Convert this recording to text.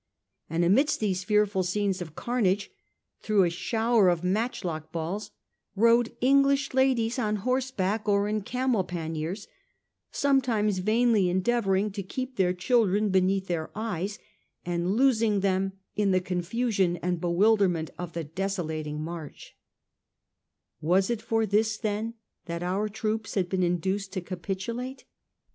And amidst these fear ful scenes of carnage, through a shower of matchlock balls, rode English ladies on horseback or in camel panniers, sometimes vainly endeavouring to keep their children beneath their eyes, and losing them in the confusion and bewilderment of the desolating march/ Was it for this, then, that our troops had been induced to capitulate